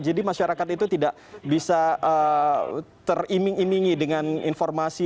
jadi masyarakat itu tidak bisa teriming imingi dengan informasi